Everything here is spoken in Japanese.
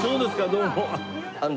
どうも。